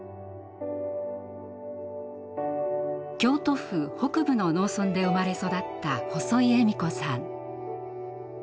京都府北部の農村で生まれ育った細井恵美子さん。